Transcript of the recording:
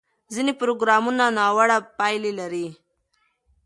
ځینې پروګرامونه ناوړه پایلې لري.